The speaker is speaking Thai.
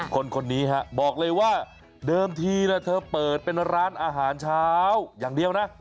คนนี้ฮะบอกเลยว่าเดิมทีนะเธอเปิดเป็นร้านอาหารเช้าอย่างเดียวนะ